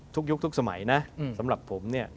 ยุคทุกสมัยนะสำหรับผมเนี่ย